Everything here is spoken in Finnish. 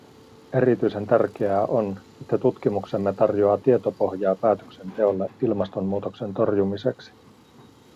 Erityisen tärkeää on, että tutkimuksemme tarjoaa tietopohjaa päätöksenteolle ilmastonmuutoksen torjumiseksi.